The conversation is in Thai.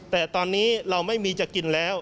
แต่ตอนนี้เราไม่มีจะกินแล้ว